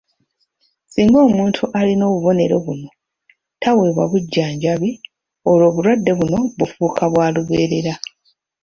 Singa omuntu alina obubonero buno taweebwa bujjanjabi, olwo obulwadde buno bufuuka bwa lubeerera